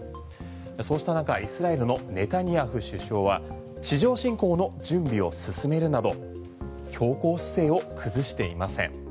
そうした中イスラエルのネタニヤフ首相は地上侵攻の準備を進めるなど強硬姿勢を崩していません。